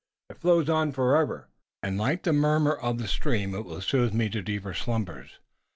It flows on forever, and like the murmur of the stream it will soothe me to deeper slumbers.